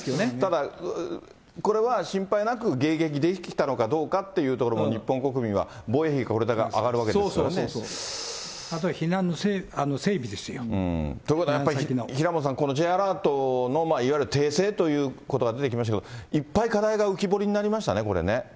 ただ、これは心配なく迎撃できたのかどうかっていうところも、日本国民は防衛費、これから上がるわけですからね。ということはやっぱり平本さん、Ｊアラートのいわゆる訂正ということが出てきましたけど、いっぱい課題が浮き彫りになりましたね、これね。